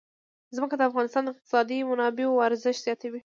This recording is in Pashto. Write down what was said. ځمکه د افغانستان د اقتصادي منابعو ارزښت زیاتوي.